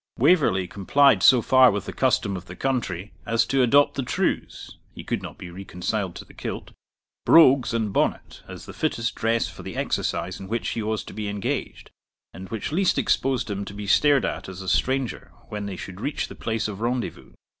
Waverley complied so far with the custom of the country as to adopt the trews (he could not be reconciled to the kilt), brogues, and bonnet, as the fittest dress for the exercise in which he was to be engaged, and which least exposed him to be stared at as a stranger when they should reach the place of rendezvous.